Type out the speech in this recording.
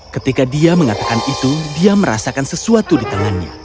ketika dia mengatakan itu dia merasakan sesuatu di tangannya